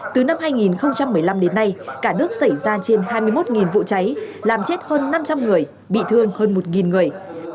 từ năm hai nghìn một mươi năm đến nay cả nước xảy ra trên hai mươi một vụ cháy làm chết hơn năm trăm linh người bị thương hơn một người